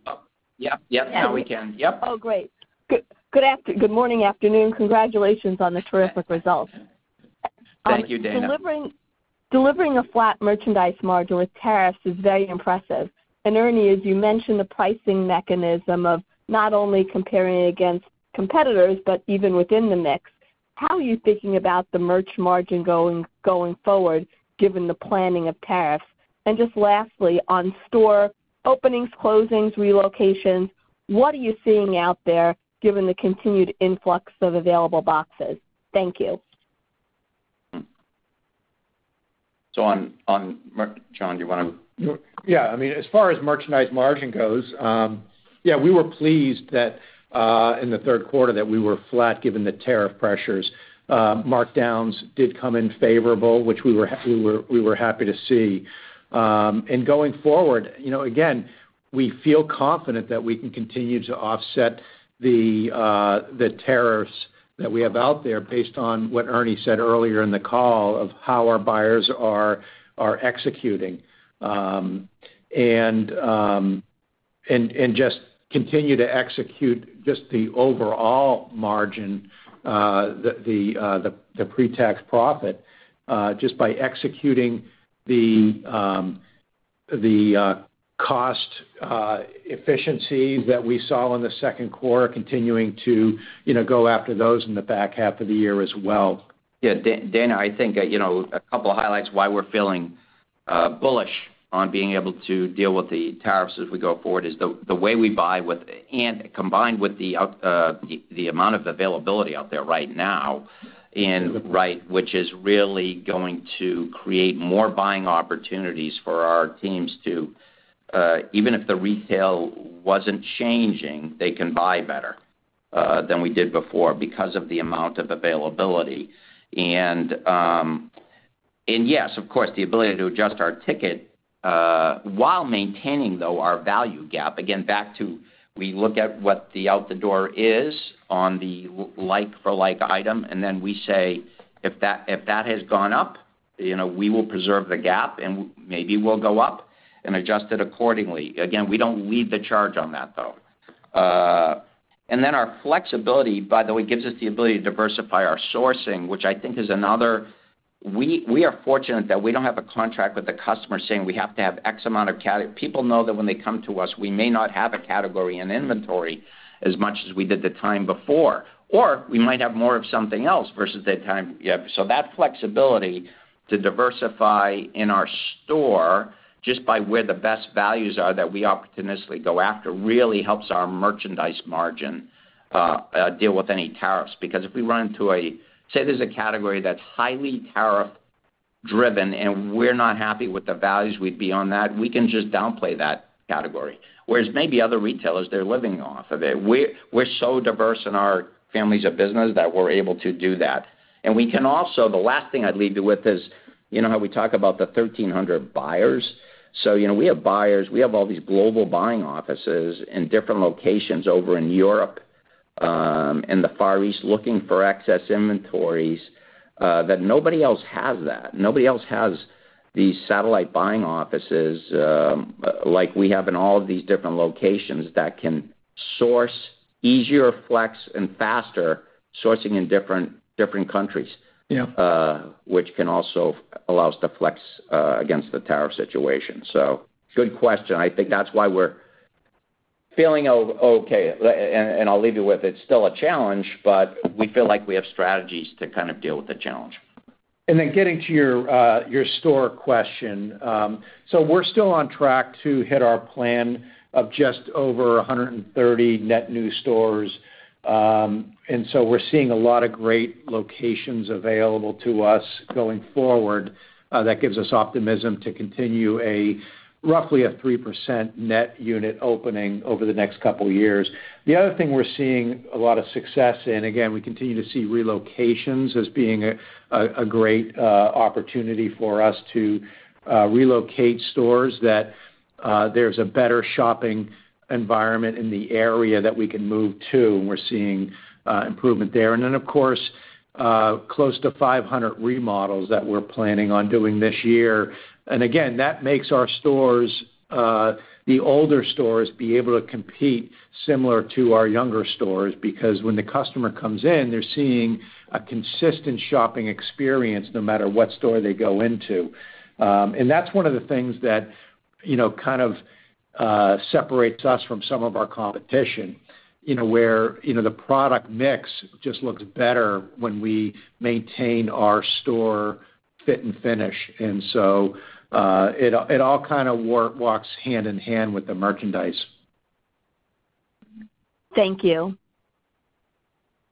S2: Yes. Now we can. Yes.
S10: Oh, great. Good afternoon, good morning. Congratulations on the terrific results.
S2: Thank you, Dana.
S10: Delivering a flat merchandise margin with tariffs is very impressive. Ernie, as you mentioned, the pricing mechanism of not only comparing against competitors, but even within the mix, how are you thinking about the merchandise margin going forward, given the planning of tariffs? Lastly, on store openings, closings, relocations, what are you seeing out there, given the continued influx of available boxes? Thank you.
S2: John, do you want to?
S4: Yeah, I mean, as far as merchandise margin goes, we were pleased that in the third quarter we were flat, given the tariff pressures. Markdowns did come in favorable, which we were happy to see. Going forward, you know, again, we feel confident that we can continue to offset the tariffs that we have out there based on what Ernie said earlier in the call of how our buyers are executing. We just continue to execute the overall margin, the pre-tax profit, just by executing the cost efficiencies that we saw in the second quarter, continuing to go after those in the back half of the year as well.
S2: Yeah, Dana, I think a couple of highlights why we're feeling bullish on being able to deal with the tariffs as we go forward is the way we buy, combined with the amount of availability out there right now, which is really going to create more buying opportunities for our teams. Even if the retail wasn't changing, they can buy better than we did before because of the amount of availability. Yes, of course, the ability to adjust our ticket while maintaining, though, our value gap. Again, back to we look at what the out the door is on the like-for-like item, and then we say if that has gone up, we will preserve the gap, and maybe we'll go up and adjust it accordingly. We don't lead the charge on that, though. Then our flexibility, by the way, gives us the ability to diversify our sourcing, which I think is another. We are fortunate that we don't have a contract with the customer saying we have to have X amount of people know that when they come to us, we may not have a category in inventory as much as we did the time before, or we might have more of something else versus the time. That flexibility to diversify in our store just by where the best values are that we opportunistically go after really helps our merchandise margin deal with any tariffs. If we run into a, say, there's a category that's highly tariff-driven and we're not happy with the values we'd be on that, we can just downplay that category. Whereas maybe other retailers, they're living off of it. We're so diverse in our families of business that we're able to do that. The last thing I'd lead you with is, you know how we talk about the 1,300 buyers. We have buyers, we have all these global buying offices in different locations over in Europe and the Far East looking for excess inventories that nobody else has. Nobody else has these satellite buying offices like we have in all of these different locations that can source easier, flex, and faster sourcing in different countries, which can also allow us to flex against the tariff situation. Good question. I think that's why we're feeling okay. I'll leave you with it. It's still a challenge, but we feel like we have strategies to kind of deal with the challenge.
S4: Getting to your store question, we're still on track to hit our plan of just over 130 net new stores. We're seeing a lot of great locations available to us going forward. That gives us optimism to continue roughly a 3% net unit opening over the next couple of years. The other thing we're seeing a lot of success in, we continue to see relocations as being a great opportunity for us to relocate stores where there's a better shopping environment in the area that we can move to. We're seeing improvement there. Of course, close to 500 remodels that we're planning on doing this year. That makes our stores, the older stores, be able to compete similar to our younger stores because when the customer comes in, they're seeing a consistent shopping experience no matter what store they go into. That's one of the things that kind of separates us from some of our competition, where the product mix just looks better when we maintain our store fit and finish. It all kind of walks hand in hand with the merchandise.
S10: Thank you.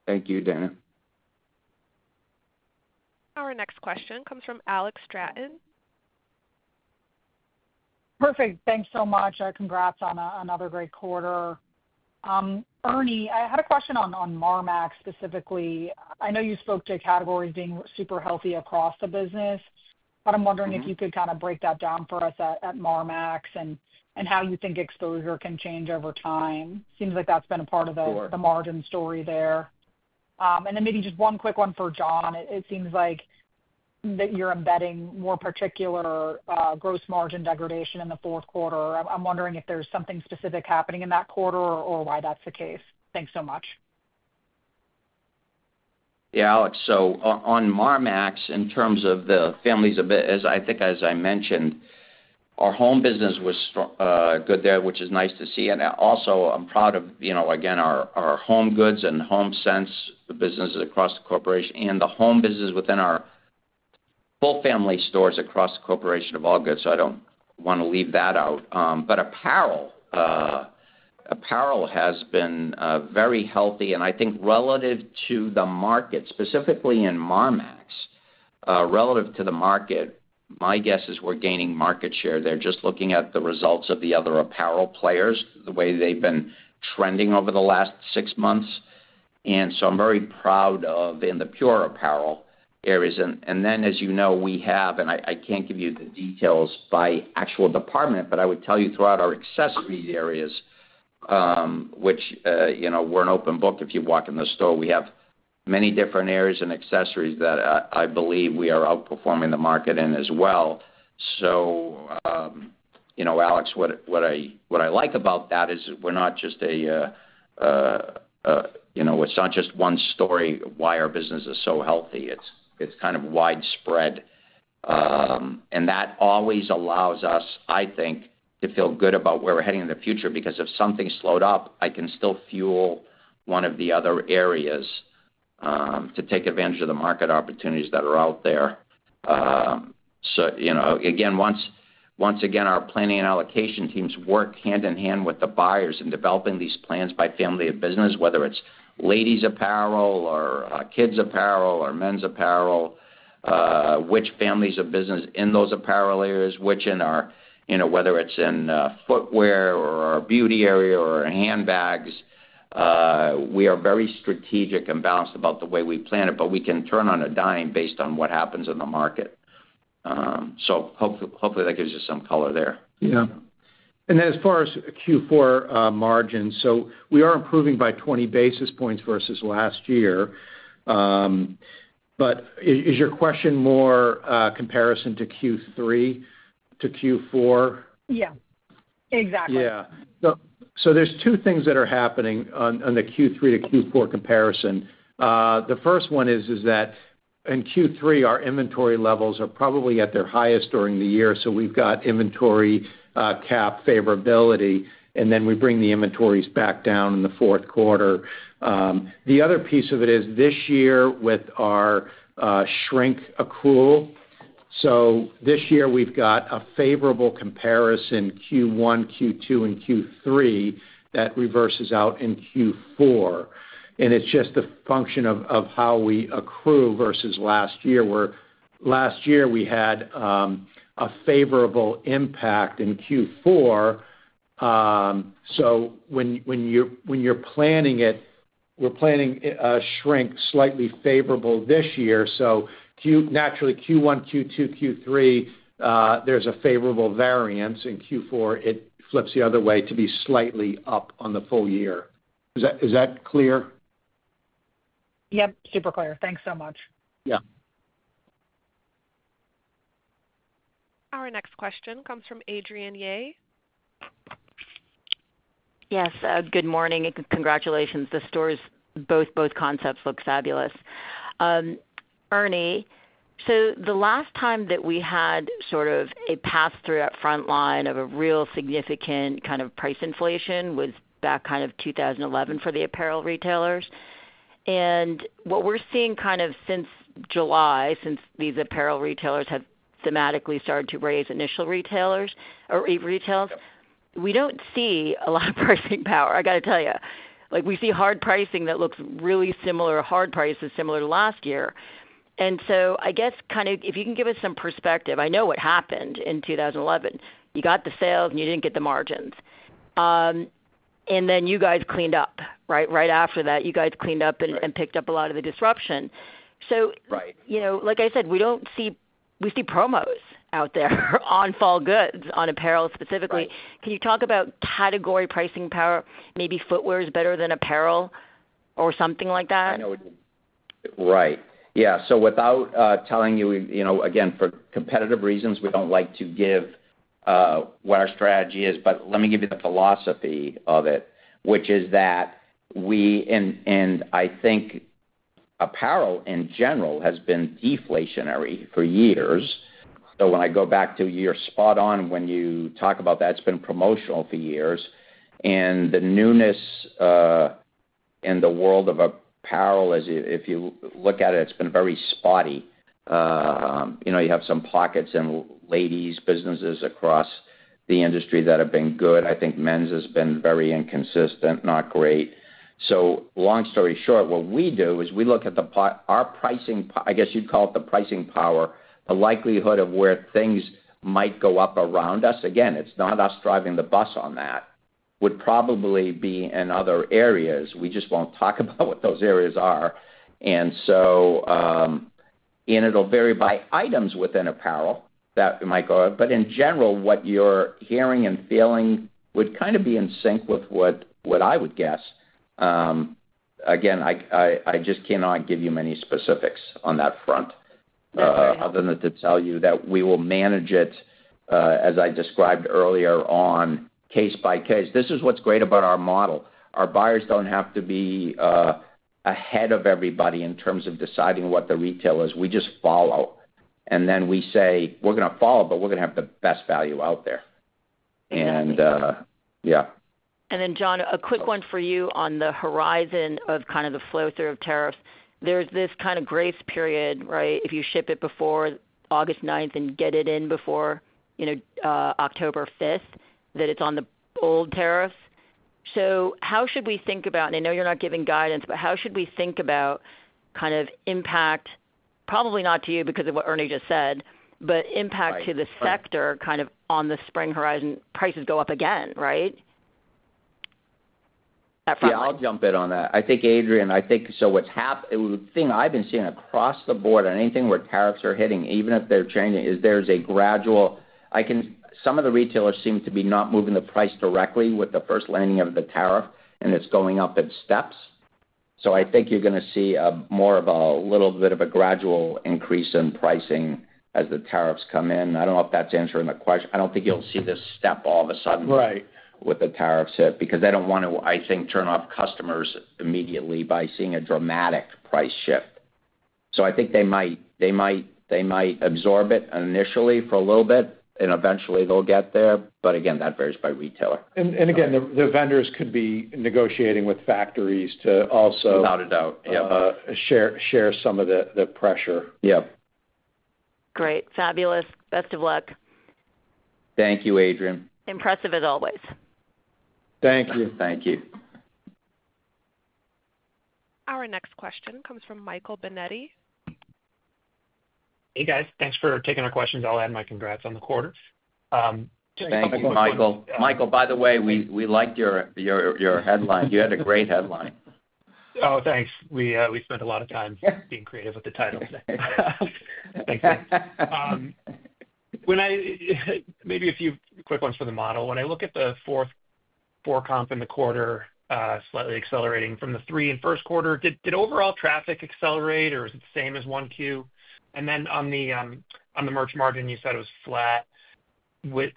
S2: Thank you, Dana.
S1: Our next question comes from Alex Stratton.
S11: Perfect. Thanks so much. Congrats on another great quarter. Ernie, I had a question on Marmaxx specifically. I know you spoke to categories being super healthy across the business, but I'm wondering if you could kind of break that down for us at Marmaxx and how you think exposure can change over time. Seems like that's been a part of the margin story there. Maybe just one quick one for John. It seems like you're embedding more particular gross margin degradation in the fourth quarter. I'm wondering if there's something specific happening in that quarter or why that's the case. Thanks so much.
S2: Yeah, Alex. On Marmaxx, in terms of the families, as I think, as I mentioned, our home business was good there, which is nice to see. I'm proud of, you know, again, our HomeGoods and HomeSense business across the corporation and the home business within our full family stores across the corporation of all goods. I don't want to leave that out. Apparel has been very healthy. I think relative to the market, specifically in Marmaxx, relative to the market, my guess is we're gaining market share there, just looking at the results of the other apparel players, the way they've been trending over the last six months. I'm very proud of in the pure apparel areas. As you know, we have, and I can't give you the details by actual department, but I would tell you throughout our accessories areas, which, you know, we're an open book. If you walk in the store, we have many different areas in accessories that I believe we are outperforming the market in as well. You know, Alex, what I like about that is we're not just a, you know, it's not just one story why our business is so healthy. It's kind of widespread. That always allows us, I think, to feel good about where we're heading in the future because if something slowed up, I can still fuel one of the other areas to take advantage of the market opportunities that are out there. Once again, our planning and allocation teams work hand in hand with the buyers in developing these plans by family of business, whether it's ladies' apparel or kids' apparel or men's apparel, which families of business in those apparel areas, which in our, you know, whether it's in footwear or our beauty area or our handbags. We are very strategic and balanced about the way we plan it, but we can turn on a dime based on what happens in the market. Hopefully, that gives you some color there.
S4: As far as Q4 margins, we are improving by 20 basis points versus last year. Is your question more comparison to Q3-Q4?
S11: Yeah. Exactly.
S4: Yeah. There are two things that are happening on the Q3-Q4 comparison. The first one is that in Q3, our inventory levels are probably at their highest during the year, so we've got inventory cap favorability, and then we bring the inventories back down in the fourth quarter. The other piece of it is this year with our shrink accrual. This year we've got a favorable comparison Q1, Q2, and Q3 that reverses out in Q4. It's just a function of how we accrue versus last year, where last year we had a favorable impact in Q4. When you're planning it, we're planning a shrink slightly favorable this year. Naturally, Q1, Q2, Q3, there's a favorable variance. In Q4, it flips the other way to be slightly up on the full year. Is that clear?
S11: Yes, super clear. Thanks so much.
S4: Yeah.
S1: Our next question comes from Adrienne Yih.
S12: Yes. Good morning and congratulations. The stores, both concepts, look fabulous. Ernie, the last time that we had sort of a pass-through at frontline of a real significant kind of price inflation was back in 2011 for the apparel retailers. What we're seeing since July, since these apparel retailers have thematically started to raise initial retails, we don't see a lot of pricing power. I got to tell you, we see hard pricing that looks really similar, hard prices similar to last year. I guess if you can give us some perspective, I know what happened in 2011. You got the sales and you didn't get the margins. Then you guys cleaned up, right? Right after that, you guys cleaned up and picked up a lot of the disruption. Like I said, we don't see, we see promos out there on fall goods, on apparel specifically. Can you talk about category pricing power? Maybe footwear is better than apparel or something like that?
S2: Right. Yeah. Without telling you, you know, again, for competitive reasons, we don't like to give what our strategy is, but let me give you the philosophy of it, which is that we, and I think apparel in general has been deflationary for years. When I go back to your spot on when you talk about that, it's been promotional for years. The newness in the world of apparel, as if you look at it, it's been very spotty. You have some pockets in ladies' businesses across the industry that have been good. I think men's has been very inconsistent, not great. Long story short, what we do is we look at our pricing, I guess you'd call it the pricing power, the likelihood of where things might go up around us. Again, it's not us driving the bus on that. Would probably be in other areas. We just won't talk about what those areas are. It'll vary by items within apparel that might go up. In general, what you're hearing and feeling would kind of be in sync with what I would guess. Again, I just cannot give you many specifics on that front, other than to tell you that we will manage it, as I described earlier on, case by case. This is what's great about our model. Our buyers don't have to be ahead of everybody in terms of deciding what the retail is. We just follow. We say, we're going to follow, but we're going to have the best value out there. Yeah.
S12: John, a quick one for you on the horizon of kind of the flow-through of tariffs. There's this kind of grace period, right? If you ship it before August 9th and get it in before, you know, October 5th, that it's on the old tariffs. How should we think about, and I know you're not giving guidance, but how should we think about kind of impact, probably not to you because of what Ernie just said, but impact to the sector kind of on the spring horizon, prices go up again, right?
S2: I'll jump in on that. I think, Adrienne, what's happened, the thing I've been seeing across the board on anything where tariffs are hitting, even if they're changing, is there's a gradual, some of the retailers seem to be not moving the price directly with the first landing of the tariff, and it's going up in steps. I think you're going to see more of a little bit of a gradual increase in pricing as the tariffs come in. I don't know if that's answering the question. I don't think you'll see this step all of a sudden with the tariffs hit, because they don't want to turn off customers immediately by seeing a dramatic price shift. I think they might absorb it initially for a little bit, and eventually they'll get there. Again, that varies by retailer.
S4: The vendors could be negotiating with factories also.
S2: Without a doubt, yeah.
S4: Share some of the pressure.
S2: Yeah.
S12: Great. Fabulous. Best of luck.
S2: Thank you, Adrienne. Impressive as always.
S4: Thank you.
S2: Thank you.
S1: Our next question comes from Michael Binetti.
S13: Hey, guys. Thanks for taking our questions. I'll add my congrats on the quarter.
S2: Thanks, Michael. Michael, by the way, we liked your headline. You had a great headline.
S13: Oh, thanks. We spent a lot of time being creative with the title today. Maybe a few quick ones for the model. When I look at the fourth comp in the quarter, slightly accelerating from the three and first quarter, did overall traffic accelerate, or is it the same as Q1? On the merch margin, you said it was flat. With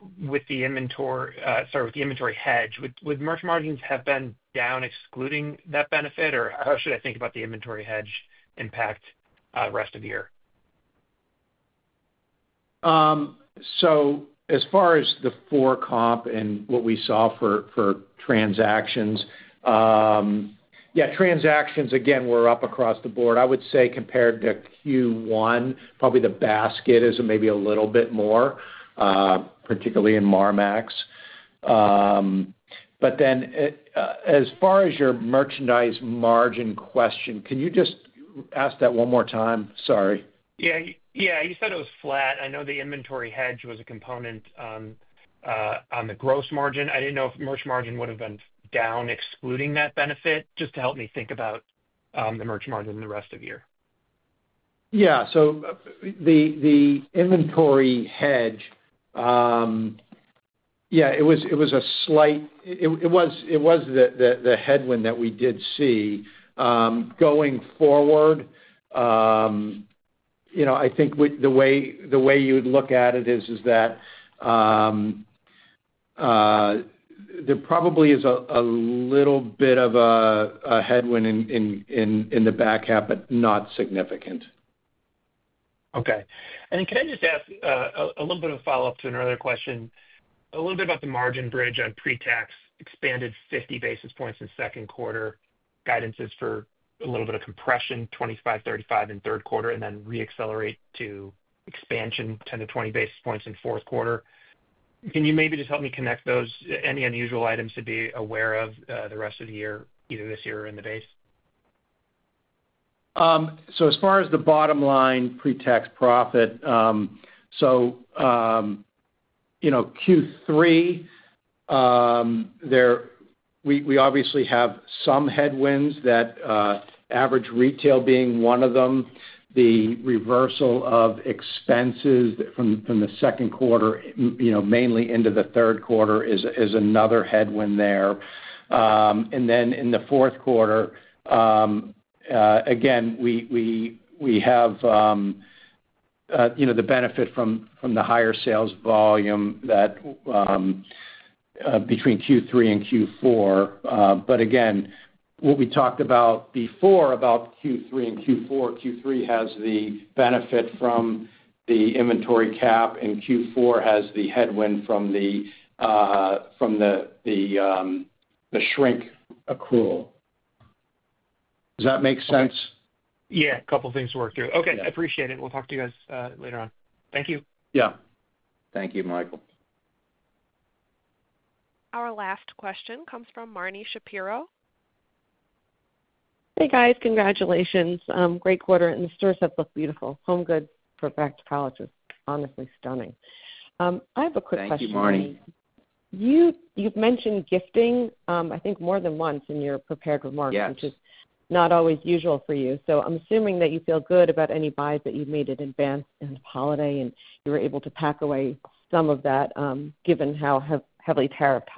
S13: the inventory, sorry, with the inventory hedge, would merch margins have been down excluding that benefit, or how should I think about the inventory hedge impact the rest of the year?
S4: As far as the comp and what we saw for transactions, transactions, again, were up across the board. I would say compared to Q1, probably the basket is maybe a little bit more, particularly in Marmaxx. As far as your merchandise margin question, can you just ask that one more time? Sorry.
S13: Yeah, you said it was flat. I know the inventory hedge was a component on the gross margin. I didn't know if merchandise margin would have been down excluding that benefit, just to help me think about the merchandise margin in the rest of the year.
S4: Yeah, the inventory hedge, yeah, it was a slight, it was the headwind that we did see. Going forward, I think the way you would look at it is that there probably is a little bit of a headwind in the back half, but not significant.
S13: Okay. Can I just ask a little bit of a follow-up to another question? A little bit about the margin bridge on pre-tax, expanded 50 basis points in second quarter, guidance is for a little bit of compression, 25-35, in third quarter, and then re-accelerate to expansion, 10-20 basis points in fourth quarter. Can you maybe just help me connect those? Any unusual items to be aware of the rest of the year, either this year or in the base?
S4: As far as the bottom line pre-tax profit, you know, Q3, we obviously have some headwinds, that average retail being one of them. The reversal of expenses from the second quarter, mainly into the third quarter, is another headwind there. In the fourth quarter, again, we have the benefit from the higher sales volume between Q3 and Q4. What we talked about before about Q3 and Q4, Q3 has the benefit from the inventory cap, and Q4 has the headwind from the shrink accrual. Does that make sense?
S13: Yeah, a couple of things to work through. Okay, I appreciate it. We'll talk to you guys later on. Thank you.
S4: Yeah, thank you, Michael.
S1: Our last question comes from Marni Shapiro.
S14: Hey, guys. Congratulations. Great quarter, and the stores have looked beautiful. HomeGoods for back to college is honestly stunning. I have a quick question.
S2: Thank you, Marni.
S14: You've mentioned gifting, I think, more than once in your prepared remarks, which is not always usual for you. I'm assuming that you feel good about any buys that you've made in advance and holiday, and you were able to pack away some of that, given how heavily tariffed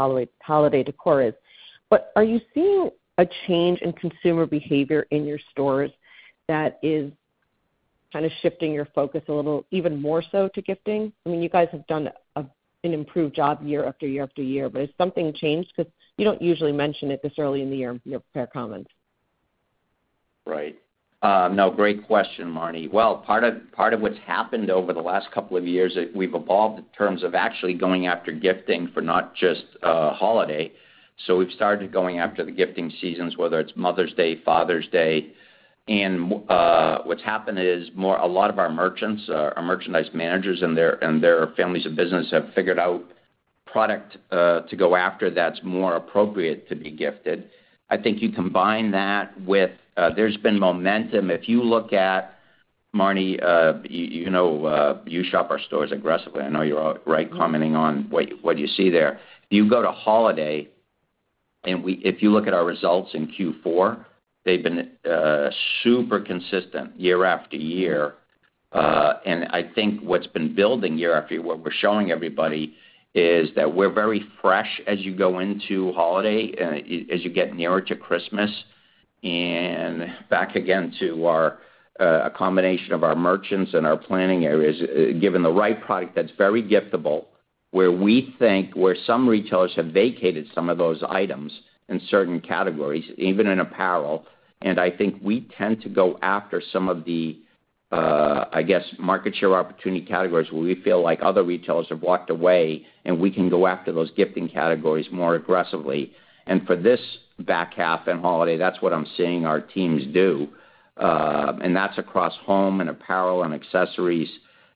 S14: holiday decor is. Are you seeing a change in consumer behavior in your stores that is kind of shifting your focus a little, even more so to gifting? I mean, you guys have done an improved job year after year after year, but has something changed? You don't usually mention it this early in the year, your pair comments.
S2: Right. Great question, Marni. Part of what's happened over the last couple of years, we've evolved in terms of actually going after gifting for not just holiday. We've started going after the gifting seasons, whether it's Mother's Day, Father's Day. What's happened is a lot of our merchants, our merchandise managers, and their families of business have figured out product to go after that's more appropriate to be gifted. I think you combine that with there's been momentum. If you look at, Marni, you know, you shop our stores aggressively. I know you're right commenting on what you see there. If you go to holiday, and if you look at our results in Q4, they've been super consistent year after year. I think what's been building year after year, what we're showing everybody, is that we're very fresh as you go into holiday, as you get nearer to Christmas. Back again to a combination of our merchants and our planning areas, given the right product that's very giftable, where we think where some retailers have vacated some of those items in certain categories, even in apparel. I think we tend to go after some of the, I guess, market share opportunity categories where we feel like other retailers have walked away, and we can go after those gifting categories more aggressively. For this back half and holiday, that's what I'm seeing our teams do. That's across home and apparel and accessories.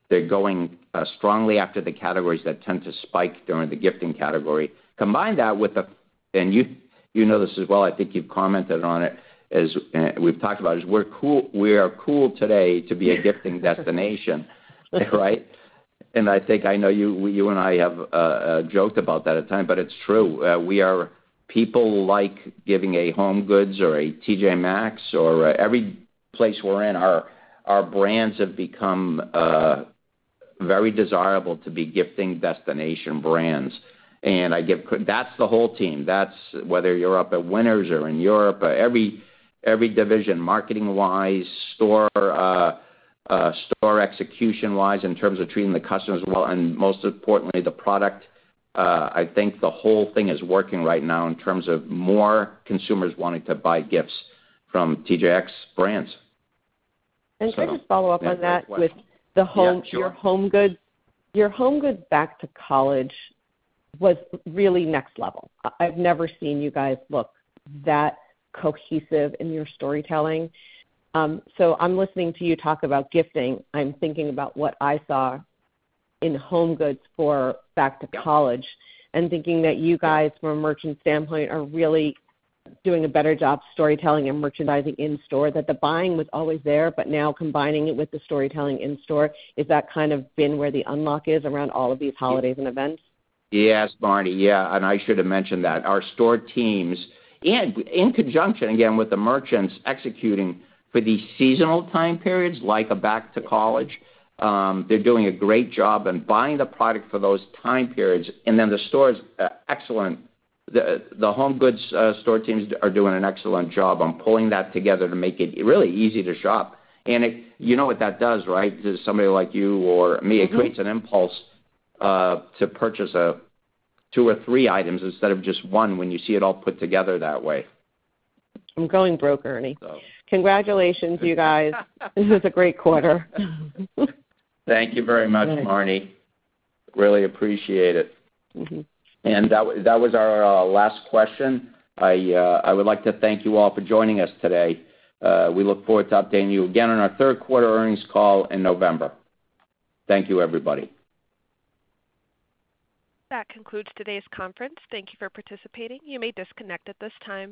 S2: They're going strongly after the categories that tend to spike during the gifting category. Combine that with the, and you know this as well, I think you've commented on it, as we've talked about, is we're cool, we are cool today to be a gifting destination, right? I think I know you and I have joked about that at times, but it's true. We are, people like giving a HomeGoods or a T.J. Maxx or every place we're in, our brands have become very desirable to be gifting destination brands. I give that's the whole team. That's whether you're up at Winners or in Europe, every division, marketing-wise, store execution-wise, in terms of treating the customers well, and most importantly, the product. I think the whole thing is working right now in terms of more consumers wanting to buy gifts from TJX brands.
S14: Can I just follow up on that with your HomeGoods? Your HomeGoods back to college was really next level. I've never seen you guys look that cohesive in your storytelling. I'm listening to you talk about gifting, and I'm thinking about what I saw in HomeGoods for back to college. I'm thinking that you guys, from a merchant standpoint, are really doing a better job storytelling and merchandising in-store. The buying was always there, but now combining it with the storytelling in-store, is that kind of been where the unlock is around all of these holidays and events?
S4: Yes, Barnie. I should have mentioned that. Our store teams, in conjunction with the merchants executing for the seasonal time periods, like a back to college, are doing a great job in buying the product for those time periods. The store is excellent. The HomeGoods store teams are doing an excellent job on pulling that together to make it really easy to shop. You know what that does, right? To somebody like you or me, it creates an impulse to purchase two or three items instead of just one when you see it all put together that way.
S14: I'm going broke, Ernie. Congratulations, you guys. This is a great quarter.
S2: Thank you very much, Marni. Really appreciate it. That was our last question. I would like to thank you all for joining us today. We look forward to updating you again on our third quarter earnings call in November. Thank you, everybody.
S1: That concludes today's conference. Thank you for participating. You may disconnect at this time.